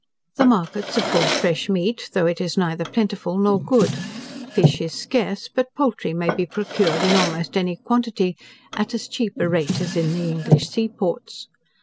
The markets afford fresh meat, though it is neither plentiful nor good. Fish is scarce; but poultry may be procured in almost any quantity, at as cheap a rate as in the English sea ports.